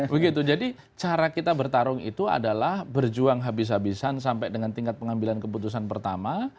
begitu jadi cara kita bertarung itu adalah berjuang habis habisan sampai dengan tingkat pengambilan keputusan pertama